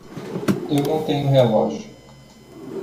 Eu não tenho relógio.